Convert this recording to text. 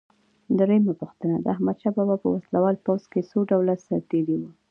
درېمه پوښتنه: د احمدشاه بابا په وسله وال پوځ کې څو ډوله سرتیري وو؟